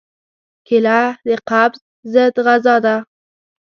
کېله د قبض ضد غذا ده.